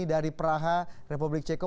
dari praha republik ceko